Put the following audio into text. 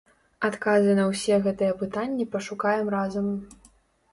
Адказы на ўсе гэтыя пытанні пашукаем разам.